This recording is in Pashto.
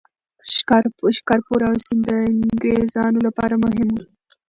شکارپور او سند د انګریزانو لپاره مهم وو.